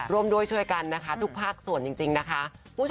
ร่วมด้วยช่วยกันนะคะทุกภาคส่วนจริงนะคะ